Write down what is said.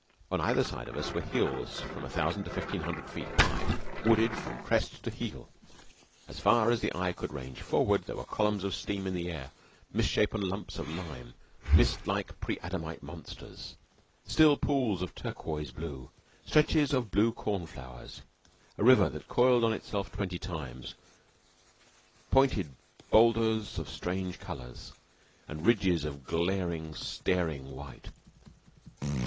On either side of us were hills from a thousand or fifteen hundred feet high, wooded from crest to heel. As far as the eye could range forward were columns of steam in the air, misshapen lumps of lime, mist like preadamite monsters, still pools of turquoise blue stretches of blue corn flowers, a river that coiled on itself twenty times, pointed bowlders of strange colors, and ridges of glaring, staring white.